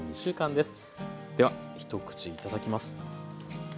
では一口いただきます。